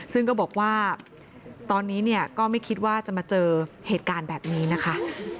ซึ่งก็บอกว่าตอนนี้เนี่ยก็ไม่คิดว่าจะมาเจอเหตุการณ์แบบนี้นะคะ